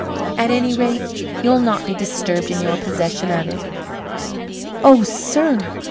At any rate, you'll not be disturbed in your possession of it." "Oh, sir!